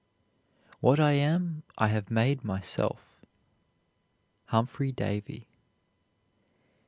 What I am I have made myself. HUMPHRY DAVY.